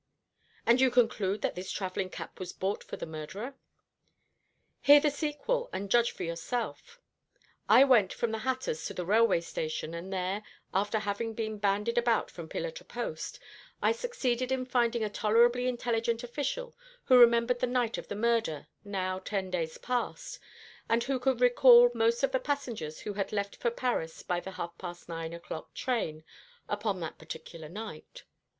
"And you conclude that this travelling cap was bought for the murderer?" "Hear the sequel, and judge for yourself. I went from the hatter's to the railway station, and there, after having been bandied about from pillar to post, I succeeded in finding a tolerably intelligent official who remembered the night of the murder now ten days past and who could recall most of the passengers who had left for Paris by the half past nine o'clock train upon that particular night.